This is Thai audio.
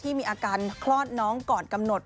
มีอาการคลอดน้องก่อนกำหนด